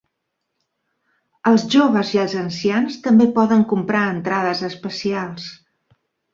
Els joves i els ancians també poden comprar entrades especials.